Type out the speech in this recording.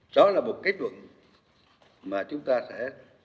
đó là một kết luận mà chúng ta sẽ